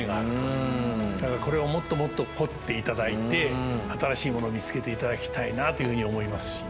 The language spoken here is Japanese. だからこれをもっともっと掘って頂いて新しいものを見つけて頂きたいなというふうに思いますし。